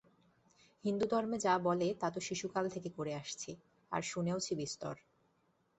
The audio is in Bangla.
হিন্দুধর্মে যা বলে তা তো শিশুকাল থেকে করে আসছি, আর শুনেওছি বিস্তর।